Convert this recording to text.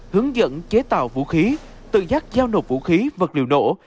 hướng dẫn chế tạo vũ khí tự giác giao nộp vũ khí vật liệu nổ